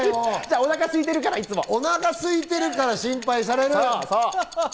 お腹すいてるかお腹すいてるから心配される？